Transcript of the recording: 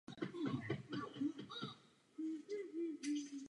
Uvnitř kostela je hrobka rodu.